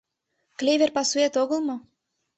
Клевер пасуэт огыл мо?